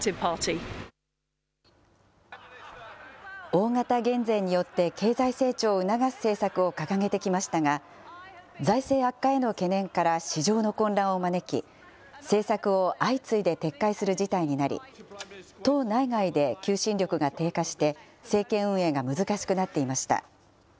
大型減税によって経済成長を促す政策を掲げてきましたが、財政悪化への懸念から市場の混乱を招き、政策を相次いで撤回する事態になり、党内外で求心力が低下して政権運営が難しくなっていました。